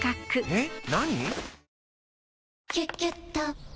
えっ？